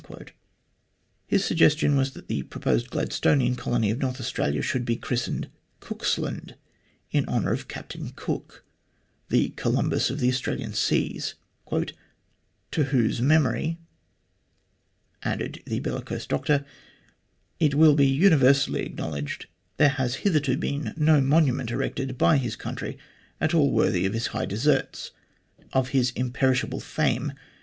His suggestion was that the proposed Gladstonian colony of North Australia should be christened " Cooksland," in honour of Captain Cook, the Columbus of the Australian seas, " to whose memory," added the bellicose doctor, " it will universally be allowed there has hitherto been no monument erected by his country at all worthy of his high deserts, of his imperishable fame.